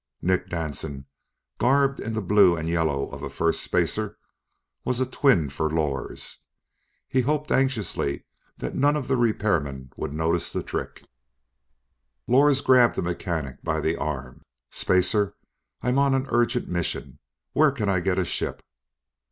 Nick Danson, garbed in the blue and yellow of a Firstspacer, was a twin for Lors. He hoped anxiously that none of the repairmen would notice the trick. Lors grabbed a mechanic by the arm. "Spacer! I'm on an urgent mission. Where can I get a ship?"